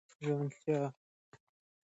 لیوالتیا یې زښته زیاته ده.